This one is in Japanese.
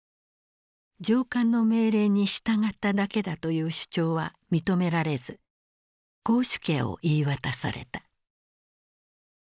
上官の命令に従っただけだという主張は認められず絞首刑を言い渡された。